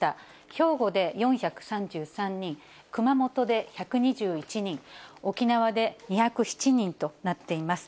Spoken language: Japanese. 兵庫で４３３人、熊本で１２１人、沖縄で２０７人となっています。